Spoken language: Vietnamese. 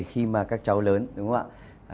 khi mà các cháu lớn đúng không ạ